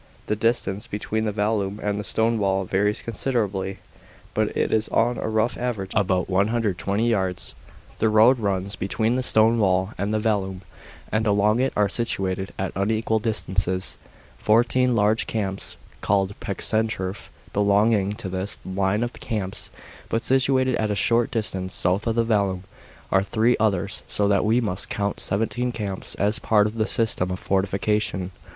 The dis tance between the vallum and the stone wall varies considerably, but is on a rough average about 120 yards. (3) The road runs * Appian. f In one case, circular. timac 122 A.D. THE WALL IN BRITAIN. 503 between the stone wall and the vallum, and along it are situated, at unequal distances, fourteen large camps (called prxtenturxf). Belonging to this line of camps, but situated at a short distance south of the vallum, are three others, so that we must count seventeen camps as part of the system of fortification.